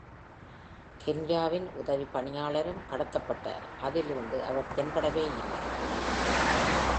கென்யாவின் உதவி பணியாளரும் கடத்தப்பட்டார், அதிலிருந்து அவர் தென்படவேயேல்லை.